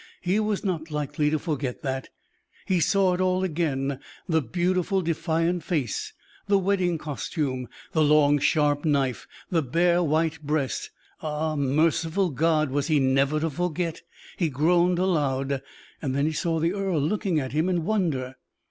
He was not likely to forget that. He saw it all again the beautiful, defiant face; the wedding costume; the long, sharp knife; the bare, white breast. Ah! merciful God, was he never to forget! He groaned aloud, then saw the earl looking at him in wonder.